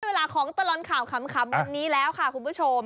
เวลาของตลอดข่าวขำวันนี้แล้วค่ะคุณผู้ชม